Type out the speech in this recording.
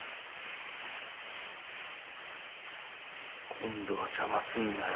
今度は邪魔すんなよ